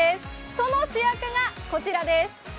その主役がこちらです。